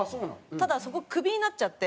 ただそこクビになっちゃって。